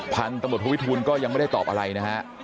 พันธุ์ตำรวจทวิทูลก็ยังไม่ได้ตอบอะไรนะฮะ